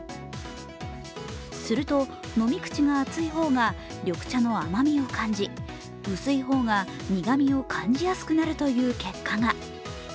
すると、飲み口が厚い方が緑茶の甘みを感じ、薄い方が苦みを感じやすくなるという結果が。